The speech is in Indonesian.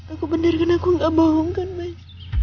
aku bener kan aku gak bohong kan mas